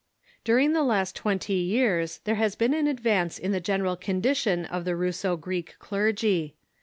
During the last twenty years there has been advance in the general condition of the Russo Greek clergy.